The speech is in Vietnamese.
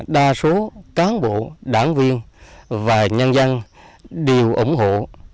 đa số cán bộ đảng viên và nhân dân đều ủng hộ